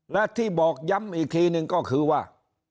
และที่บอกย้ำอีกทีหนึ่งก็คือว่า